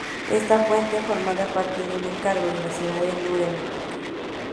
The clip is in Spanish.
Esta fuente formaba parte de un encargo de la ciudad de Núremberg.